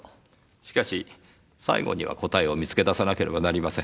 しかし最後には答えを見つけ出さなければなりません。